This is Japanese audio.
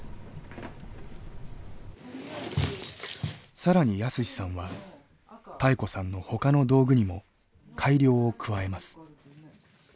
更に泰史さんは妙子さんのほかの道具にも改良を加えます。